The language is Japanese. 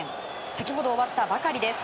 先ほど終わったばかりです。